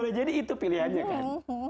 udah jadi itu pilihannya kan